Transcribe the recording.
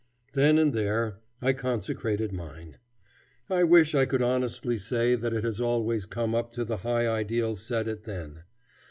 Then and there I consecrated mine. I wish I could honestly say that it has always come up to the high ideal set it then.